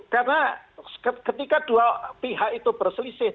karena ketika dua pihak itu berselisih